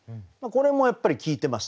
これもやっぱり効いてますね。